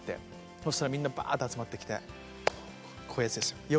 そしたらみんなばって集まってきてこういうやつですよ。